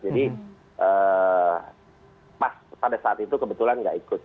jadi pas pada saat itu kebetulan gak ikut